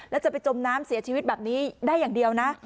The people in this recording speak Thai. แล้วจะไปจมน้ำเสียชีวิตแบบนี้ได้อย่างเดียวนะ